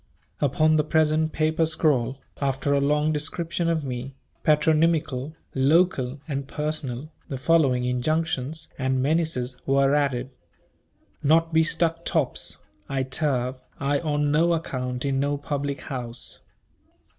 Upon the present "papper scrawl," after a long description of me, patronymical, local, and personal, the following injunctions and menaces were added, "Not be stuck tops I turve I on no account in no public house.